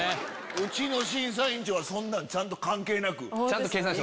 うちの審査委員長はそんなんちゃんと関係なく。